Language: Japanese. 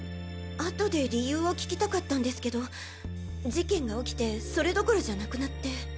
あとで理由を聞きたかったんですけど事件が起きてそれどころじゃなくなって。